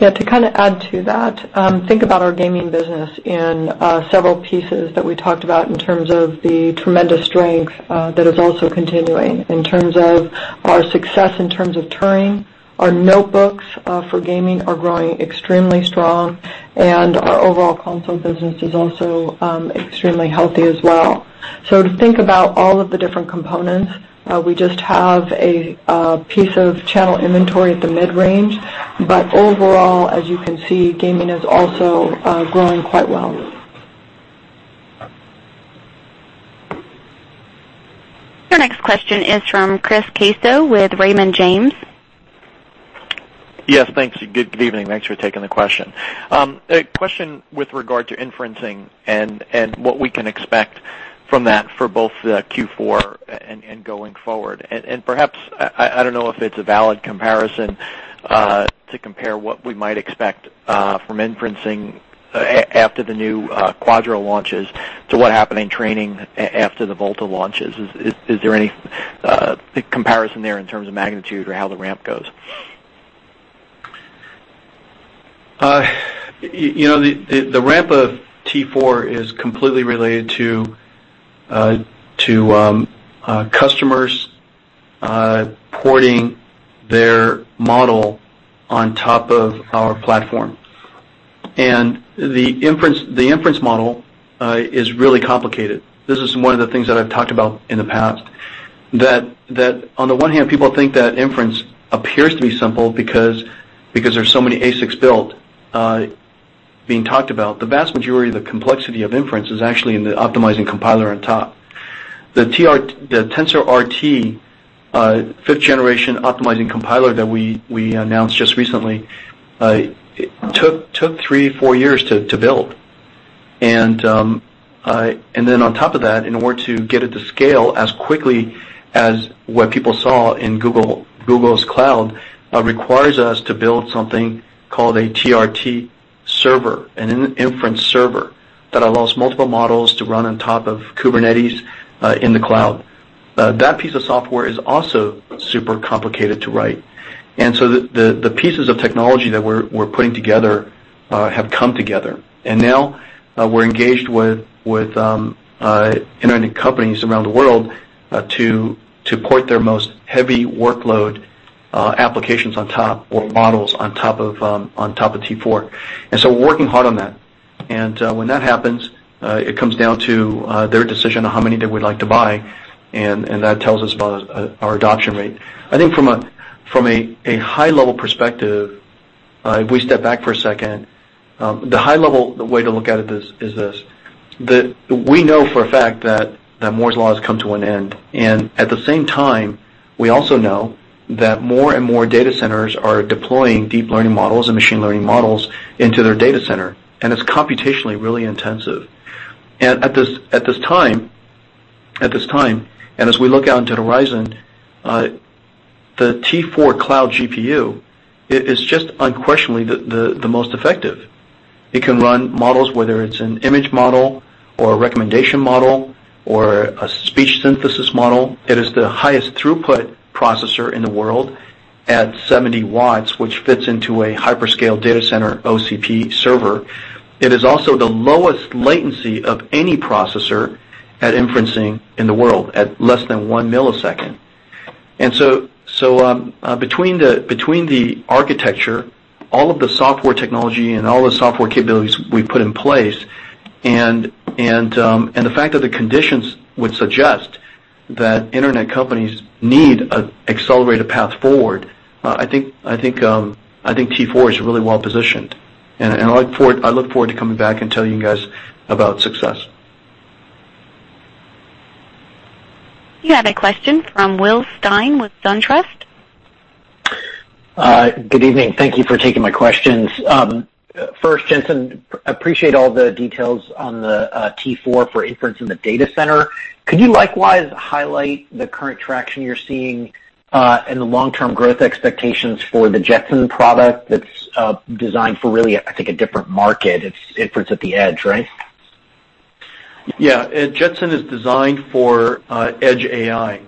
Yeah. To kind of add to that, think about our gaming business in several pieces that we talked about in terms of the tremendous strength that is also continuing in terms of our success in terms of Turing. Our notebooks for gaming are growing extremely strong, and our overall console business is also extremely healthy as well. To think about all of the different components, we just have a piece of channel inventory at the mid-range. Overall, as you can see, gaming is also growing quite well. Your next question is from Chris Caso with Raymond James. Yes, thanks. Good evening. Thanks for taking the question. A question with regard to inferencing and what we can expect from that for both the Q4 and going forward. Perhaps, I don't know if it's a valid comparison to compare what we might expect from inferencing after the new Quadro launches to what happened in training after the Volta launches. Is there any comparison there in terms of magnitude or how the ramp goes? The ramp of T4 is completely related to customers porting their model on top of our platform. The inference model is really complicated. This is one of the things that I've talked about in the past, that on the one hand, people think that inference appears to be simple because there's so many ASICs built being talked about. The vast majority of the complexity of inference is actually in the optimizing compiler on top. The TensorRT 5th generation optimizing compiler that we announced just recently took three, four years to build. Then on top of that, in order to get it to scale as quickly as what people saw in Google Cloud, requires us to build something called a TRT server, an inference server that allows multiple models to run on top of Kubernetes in the cloud. That piece of software is also super complicated to write. The pieces of technology that we're putting together have come together. Now we're engaged with internet companies around the world to port their most heavy workload applications on top or models on top of T4. We're working hard on that. When that happens, it comes down to their decision on how many they would like to buy, and that tells us about our adoption rate. I think from a high level perspective, if we step back for a second, the high level way to look at it is this. We know for a fact that Moore's Law has come to an end. At the same time, we also know that more and more data centers are deploying deep learning models and machine learning models into their data center. It's computationally really intensive. At this time, as we look out into the horizon, the T4 cloud GPU is just unquestionably the most effective. It can run models, whether it's an image model or a recommendation model or a speech synthesis model. It is the highest throughput processor in the world at 70 watts, which fits into a hyperscale data center OCP server. It is also the lowest latency of any processor at inferencing in the world, at less than 1 millisecond. Between the architecture, all of the software technology, and all the software capabilities we put in place, and the fact of the conditions would suggest that internet companies need an accelerated path forward, I think T4 is really well-positioned, and I look forward to coming back and telling you guys about success. You have a question from Will Stein with SunTrust. Good evening. Thank you for taking my questions. First, Jensen, appreciate all the details on the T4 for inference in the data center. Could you likewise highlight the current traction you're seeing and the long-term growth expectations for the Jetson product that's designed for really, I think, a different market? It puts at the edge, right? Yeah. Jetson is designed for edge AI.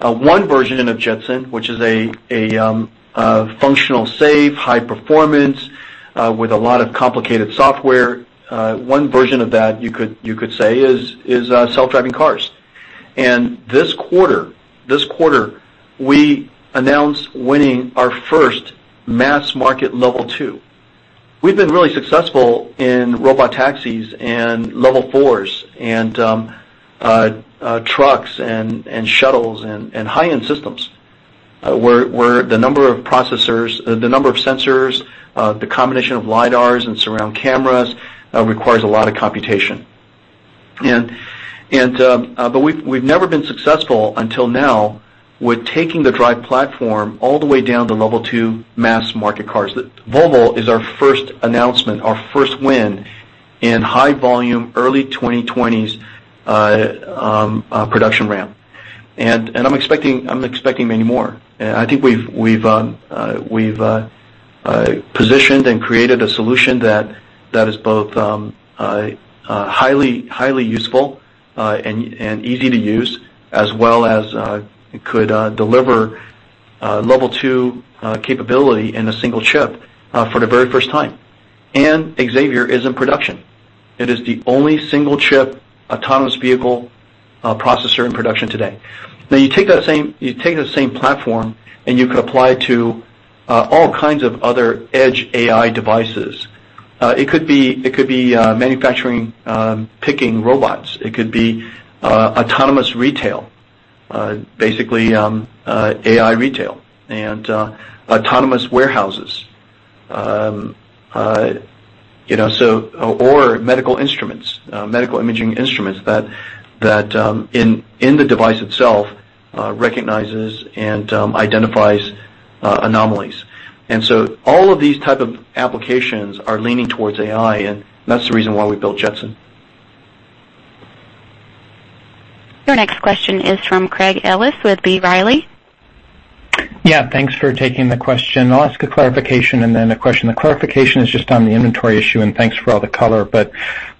One version of Jetson, which is a functional, safe, high performance with a lot of complicated software, one version of that, you could say, is self-driving cars. This quarter, we announced winning our first mass market level 2. We've been really successful in robot taxis and level 4s and trucks and shuttles and high-end systems, where the number of sensors, the combination of lidars and surround cameras requires a lot of computation. We've never been successful until now with taking the drive platform all the way down to level 2 mass market cars. Volvo is our first announcement, our first win in high volume, early 2020s production ramp. I'm expecting many more. I think we've positioned and created a solution that is both highly useful Easy to use as well as it could deliver level 2 capability in a single chip for the very first time. Xavier is in production. It is the only single chip autonomous vehicle processor in production today. Now you take that same platform, you could apply to all kinds of other edge AI devices. It could be manufacturing, picking robots. It could be autonomous retail, basically, AI retail and autonomous warehouses or medical instruments, medical imaging instruments that in the device itself, recognizes and identifies anomalies. So all of these type of applications are leaning towards AI, and that's the reason why we built Jetson. Your next question is from Craig Ellis with B. Riley. Thanks for taking the question. I'll ask a clarification and then a question. The clarification is just on the inventory issue, and thanks for all the color.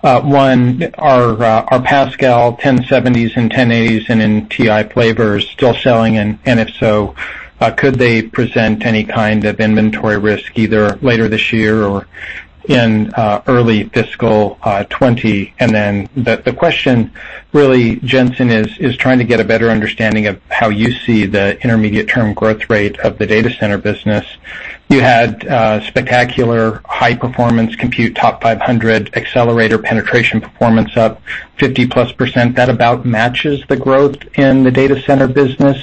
One, are Pascal 1070s and 1080s and Ti flavors still selling? If so, could they present any kind of inventory risk either later this year or in early fiscal 2020? The question really, Jensen, is trying to get a better understanding of how you see the intermediate term growth rate of the data center business. You had spectacular high performance compute TOP500 accelerator penetration performance up 50%+. That about matches the growth in the data center business.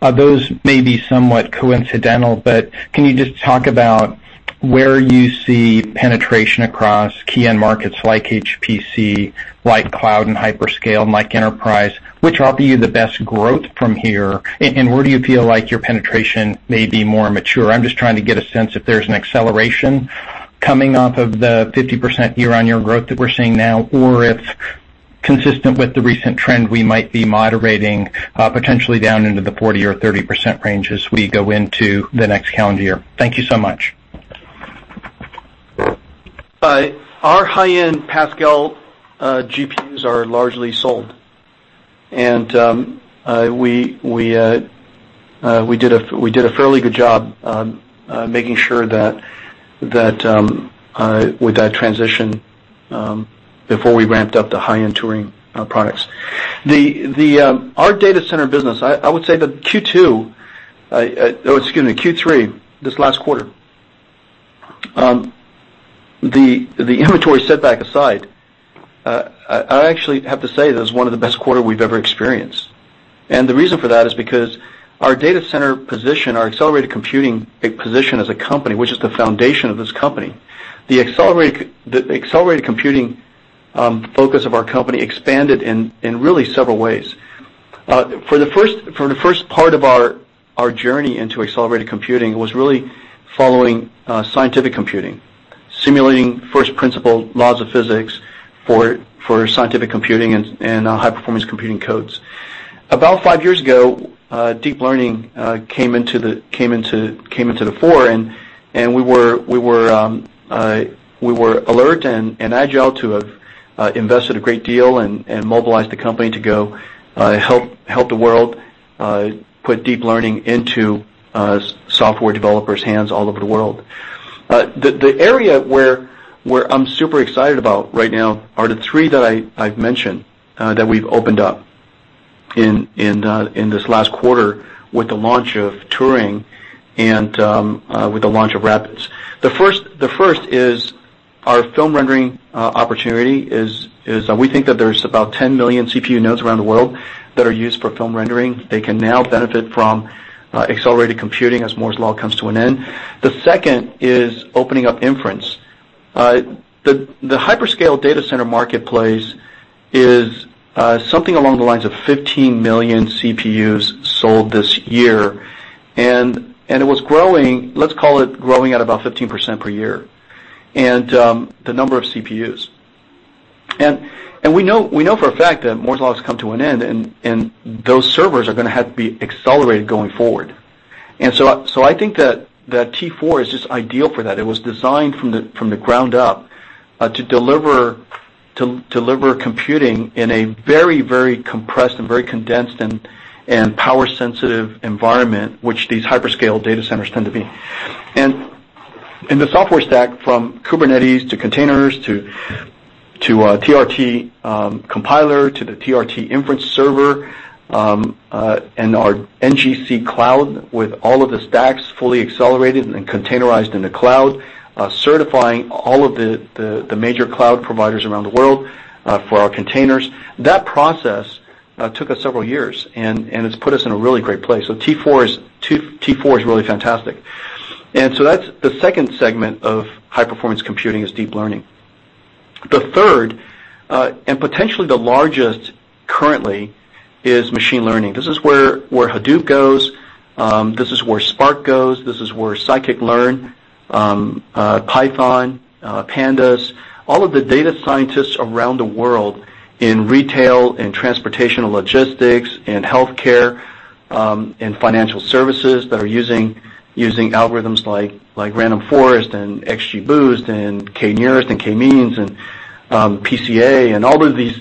Those may be somewhat coincidental, can you just talk about where you see penetration across key end markets like HPC, like cloud and hyperscale, like enterprise? Which offer you the best growth from here? Where do you feel like your penetration may be more mature? I'm just trying to get a sense if there's an acceleration coming off of the 50% year-on-year growth that we're seeing now, or if consistent with the recent trend, we might be moderating potentially down into the 40% or 30% range as we go into the next calendar year. Thank you so much. Our high-end Pascal GPUs are largely sold. We did a fairly good job making sure that with that transition before we ramped up the high-end Turing products. Our data center business, I would say that Q2, or excuse me, Q3, this last quarter, the inventory setback aside, I actually have to say that it's one of the best quarter we've ever experienced. The reason for that is because our data center position, our accelerated computing position as a company, which is the foundation of this company, the accelerated computing focus of our company expanded in really several ways. For the first part of our journey into accelerated computing was really following scientific computing, simulating first principle laws of physics for scientific computing and high-performance computing codes. About five years ago, deep learning came into the fore, we were alert and agile to have invested a great deal and mobilized the company to go help the world put deep learning into software developers' hands all over the world. The area where I'm super excited about right now are the three that I've mentioned that we've opened up in this last quarter with the launch of Turing and with the launch of RAPIDS. The first is our film rendering opportunity is we think that there's about 10 million CPU nodes around the world that are used for film rendering. They can now benefit from accelerated computing as Moore's Law comes to an end. The second is opening up inference. The hyperscale data center marketplace is something along the lines of 15 million CPUs sold this year. It was growing, let's call it growing at about 15% per year, the number of CPUs. We know for a fact that Moore's Law has come to an end, those servers are going to have to be accelerated going forward. I think that T4 is just ideal for that. It was designed from the ground up to deliver computing in a very compressed and very condensed and power-sensitive environment, which these hyperscale data centers tend to be. The software stack from Kubernetes to containers to TRT compiler to the TRT Inference Server, our NGC cloud with all of the stacks fully accelerated and containerized in the cloud, certifying all of the major cloud providers around the world for our containers, that process took us several years, it's put us in a really great place. T4 is really fantastic. That's the second segment of high-performance computing is deep learning. The third, and potentially the largest currently, is machine learning. This is where Hadoop goes. This is where Spark goes. This is where scikit-learn, Python, pandas, all of the data scientists around the world in retail, in transportation logistics, in healthcare, in financial services that are using algorithms like random forest and XGBoost and k-Nearest and K-Means and PCA, all of these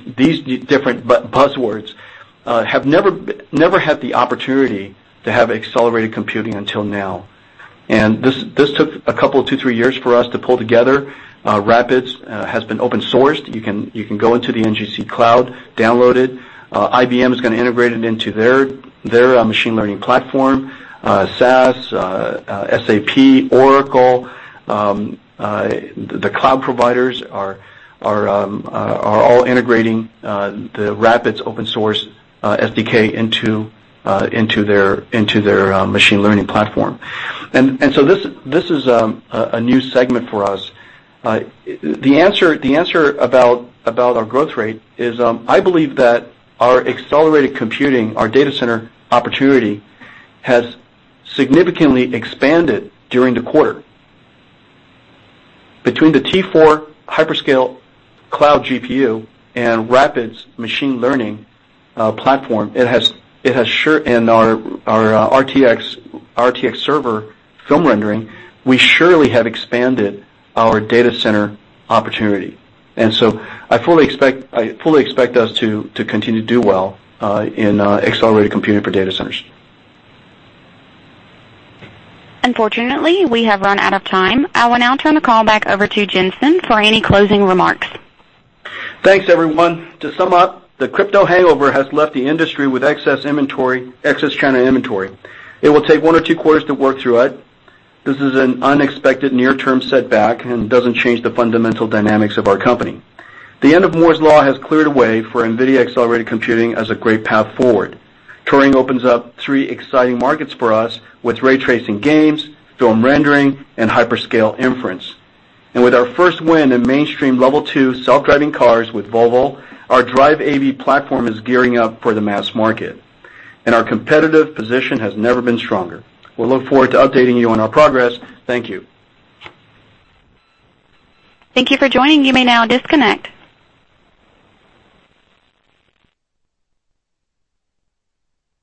different buzzwords have never had the opportunity to have accelerated computing until now. This took a couple, two, three years for us to pull together. RAPIDS has been open sourced. You can go into the NGC cloud, download it. IBM is going to integrate it into their machine learning platform. SAS, SAP, Oracle, the cloud providers are all integrating the RAPIDS open source SDK into their machine learning platform. This is a new segment for us. The answer about our growth rate is, I believe that our accelerated computing, our data center opportunity, has significantly expanded during the quarter. Between the T4 hyperscale cloud GPU and RAPIDS machine learning platform, and our RTX Server film rendering, we surely have expanded our data center opportunity. I fully expect us to continue to do well in accelerated computing for data centers. Unfortunately, we have run out of time. I will now turn the call back over to Jensen for any closing remarks. Thanks, everyone. To sum up, the crypto hangover has left the industry with excess China inventory. It will take one or two quarters to work through it. This is an unexpected near-term setback and doesn't change the fundamental dynamics of our company. The end of Moore's Law has cleared a way for NVIDIA accelerated computing as a great path forward. Turing opens up three exciting markets for us with ray tracing games, film rendering, and hyperscale inference. With our first win in mainstream Level 2 self-driving cars with Volvo, our DRIVE AV platform is gearing up for the mass market, and our competitive position has never been stronger. We'll look forward to updating you on our progress. Thank you. Thank you for joining. You may now disconnect.